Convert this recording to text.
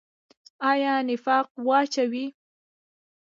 آیا نفاق واچوي؟